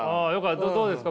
どうですか？